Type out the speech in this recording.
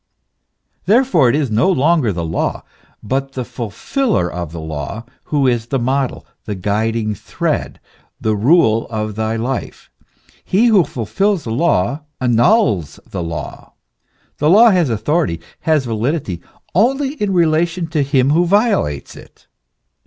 Therefore it is no longer the law, but the fulfiller of the law, who is the model, the guiding thread, the rule of thy life. He who fulfils the law, annuls the law. The law has authority, has validity, only in relation to him who violates it.